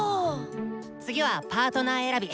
次はパートナー選び。